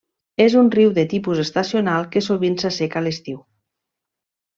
És un riu de tipus estacional que sovint s'asseca l'estiu.